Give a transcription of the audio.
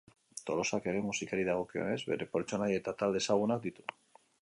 Tolosak ere musikari dagokionez bere pertsonai eta talde ezagunak ditu.